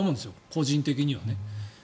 個人的にはね。